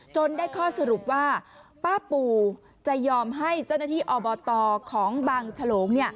ได้ข้อสรุปว่าป้าปูจะยอมให้เจ้าหน้าที่อบตของบางฉลง